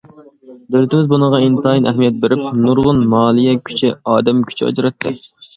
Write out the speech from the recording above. دۆلىتىمىز بۇنىڭغا ئىنتايىن ئەھمىيەت بېرىپ، نۇرغۇن مالىيە كۈچى، ئادەم كۈچى ئاجراتتى.